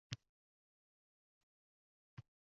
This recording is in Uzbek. Bolaning terisi nafas olishiga shu kerak emish